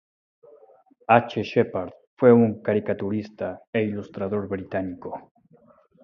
H. Shepard, fue un caricaturista e ilustrador británico.